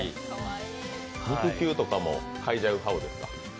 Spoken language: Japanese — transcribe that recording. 肉球とかもかいじゃう派ですか？